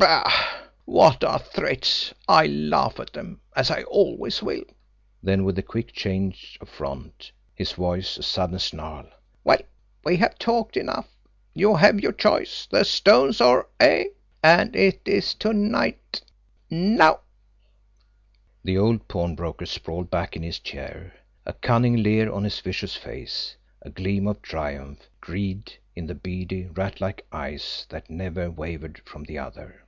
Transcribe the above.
"Bah, what are threats! I laugh at them as I always will." Then, with a quick change of front, his voice a sudden snarl: "Well, we have talked enough. You have your choice. The stones or eh? And it is to night NOW!" The old pawnbroker sprawled back in his chair, a cunning leer on his vicious face, a gleam of triumph, greed, in the beady, ratlike eyes that never wavered from the other.